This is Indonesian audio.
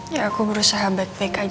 ya aku berusaha back back aja sekarang